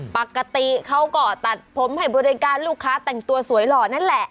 ปกติเขาก็ตัดผมให้บริการลูกค้าแต่งตัวสวยหล่อนั่นแหละ